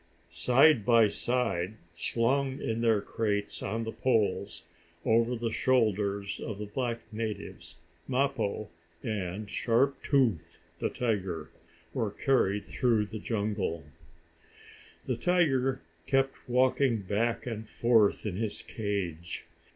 Side by side, slung in their crates on the poles, over the shoulders of the black natives, Mappo and Sharp Tooth, the tiger, were carried through the jungle. The tiger kept walking back and forth in his cage.